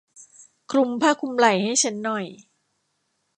คลุมผ้าคลุมไหล่ให้ฉันหน่อย